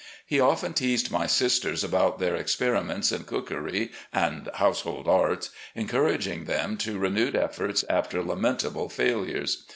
He often teased my sisters about their experiments in cookery and household arts, encouraging them to renewed efforts after lamentable failures.